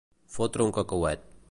Fotre un cacauet.